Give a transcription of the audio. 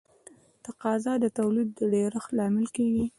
تقاضا د تولید د ډېرښت لامل کیږي.